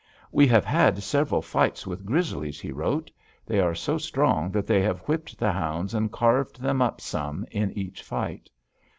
"We have had several fights with grizzlies," he wrote. "They are so strong that they have whipped the hounds and carved them up some in each fight.